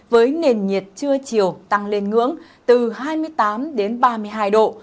với nền nhiệt trưa chiều tăng lên ngưỡng từ hai mươi tám đến ba mươi hai độ